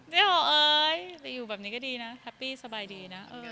อ๋อเอ้ยแต่อยู่แบบนี้ก็ดีนะแฮปปี้สบายดีนะ